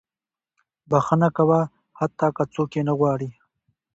• بښنه کوه، حتی که څوک یې نه غواړي.